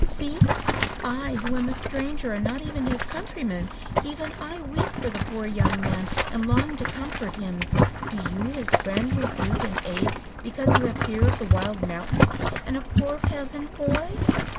See! I who am a stranger and not even his countryman, even I weep for the poor young man, and long to comfort him. Do you, his friend, refuse him aid because you have fear of the wild mountains and a poor peasant boy?"